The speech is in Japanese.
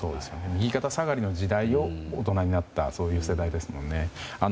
右肩下がりの時代を大人になった世代ですもんね。